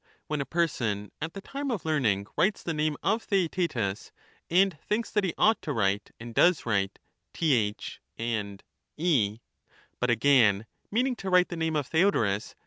When a person at the time of learning writes the name of Theaetetus, and thinks that he ought to write and does write Th and e ; but, again, meaning to write the name 208 of Theodorus